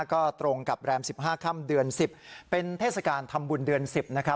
ก็ตรงกับแรมสิบห้าค่ำเดือนสิบเป็นเทศกาลทำบุญเดือนสิบนะครับ